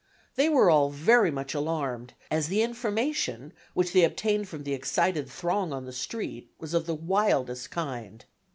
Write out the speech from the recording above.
They were all very much alarmed, as the information which they obtained from the excited throng on the street was of the wildest kind.